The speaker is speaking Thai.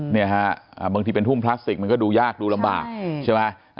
เนี่ยฮะบางทีเป็นทุ่งพลาสติกมันก็ดูยากดูลำบากใช่ไหม